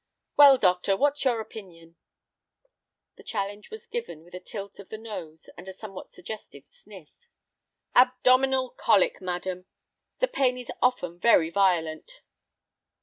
"Well, doctor, what's your opinion?" The challenge was given with a tilt of the nose and a somewhat suggestive sniff. "Abdominal colic, madam. The pain is often very violent."